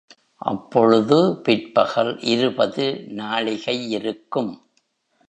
அப்பொழுது பிற்பகல் இருபது நாழிகையிருக்கும்.